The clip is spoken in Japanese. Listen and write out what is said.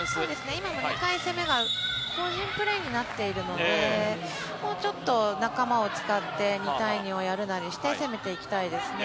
今も２回攻めが、個人プレーになっているので、もうちょっと仲間を使って、２対２をやるなりして、攻めていきたいですね。